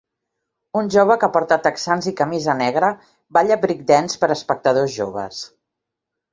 Un jove que porta texans i camisa negra balla breakdance per a espectadors joves.